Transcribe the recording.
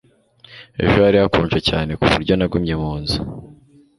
Ejo hari hakonje cyane ku buryo nagumye mu nzu